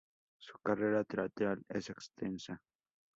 Su carrera teatral es extensa.